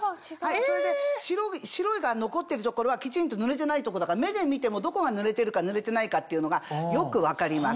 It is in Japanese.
それで白が残ってる所はきちんと塗れてないとこだから目で見てもどこが塗れてるか塗れてないかっていうのがよく分かります。